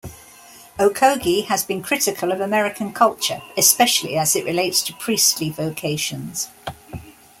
Okogie has been critical of American culture, especially as it relates to priestly vocations.